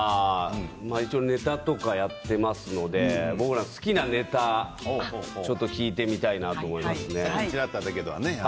一応ネタとかやっていますので僕らの好きなネタを、ちょっと聞いてみたいなと思いますね。